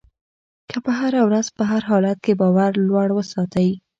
که په هره ورځ په هر حالت کې باور لوړ وساتئ.